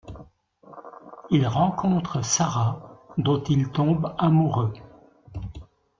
Il rencontre Sarah, dont il tombe amoureux.